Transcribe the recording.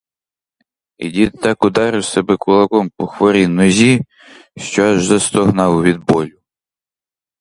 І дід так ударив себе кулаком по хворій нозі, що аж застогнав від болю.